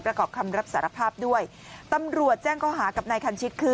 ประกอบคำรับสารภาพด้วยตำรวจแจ้งข้อหากับนายคันชิตคือ